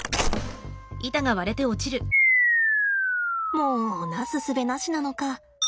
もうなすすべなしなのか。